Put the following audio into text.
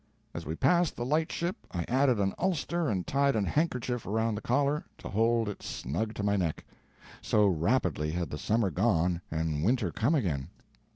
As we passed the light ship I added an ulster and tied a handkerchief around the collar to hold it snug to my neck. So rapidly had the summer gone and winter come again!